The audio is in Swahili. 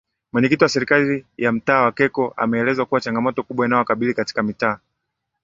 Mwenyekiti wa Serikali ya mtaa wa Keko ameeleza kuwa changamoto kubwa inayowakabili katika mtaa